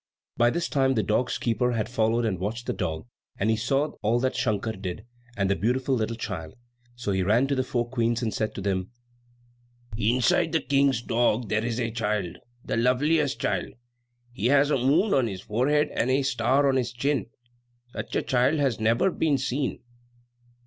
But this time the dog's keeper had followed and watched the dog; and he saw all that Shankar did, and the beautiful little child, so he ran to the four Queens and said to them, "Inside the King's dog there is a child! the loveliest child! He has a moon on his forehead and a star on his chin. Such a child has never been seen!"